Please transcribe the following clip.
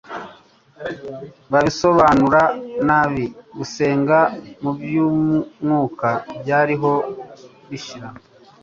babisobanura nabi. Gusenga mu by'umwuka byariho bishira.